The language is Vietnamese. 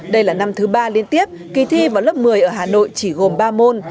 đây là năm thứ ba liên tiếp kỳ thi vào lớp một mươi ở hà nội chỉ gồm ba môn